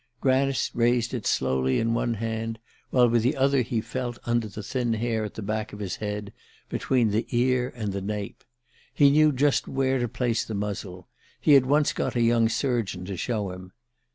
Granice raised it slowly in one hand, while with the other he felt under the thin hair at the back of his head, between the ear and the nape. He knew just where to place the muzzle: he had once got a young surgeon to show him.